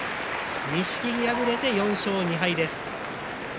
錦木、敗れて４勝２敗です。